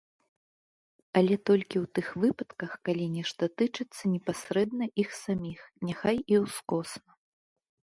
Але толькі ў тых выпадках, калі нешта тычыцца непасрэдна іх саміх, няхай і ўскосна.